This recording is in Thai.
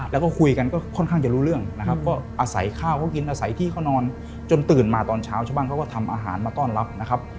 แล้วก็คุยกันก็ค่อนข้างจะรู้เรื่องนะครับก็อาศัยข้าวเขากินอาศัยที่เขานอนจนตื่นมาตอนเช้าชาวบ้านเขาก็ทำอาหารมาต้อนรับนะครับ